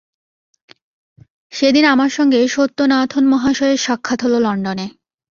সেদিন আমার সঙ্গে সত্যনাথন মহাশয়ের সাক্ষাৎ হল লণ্ডনে।